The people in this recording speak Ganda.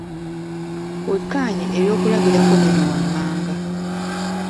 Wekkaanye eby'okulabirako bino wammanga.